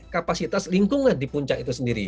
kapasitas lingkungan di puncak itu sendiri